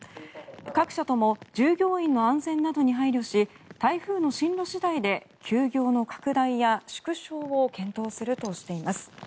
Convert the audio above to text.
各社とも従業員の安全などに配慮し台風の進路次第で休業の拡大や縮小を検討するとしています。